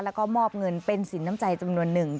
แล้วก็มอบเงินเป็นสินน้ำใจจำนวนหนึ่ง